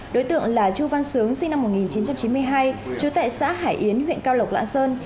đối tượng là chu văn sướng sinh năm một nghìn chín trăm chín mươi hai chú tại xã hải yến huyện cao lộc lạng sơn